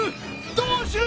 どうする！？